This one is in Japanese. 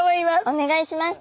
お願いします。